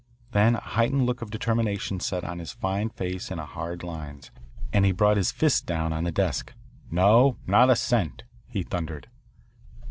Then a heightened look of determination set his fine face in hard lines, and he brought his fist down on the desk. "No, not a cent," he thundered.